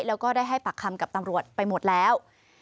แล้วก็ได้ให้ปากคำกับตำรวจไปหมดแล้ว